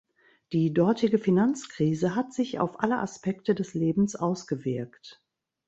Die dortige Finanzkrise hat sich auf alle Aspekte des Lebens ausgewirkt.